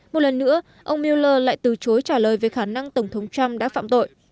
một lần nữa ông mueller lại từ chối trả lời về khả năng tổng thống trump đã phạm tội